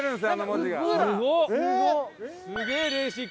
すげえレーシック！